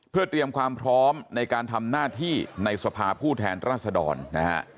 เพื่อเตรียมความพร้อมในการทำหน้าที่ในสภาผู้แทนรัศดรนะฮะ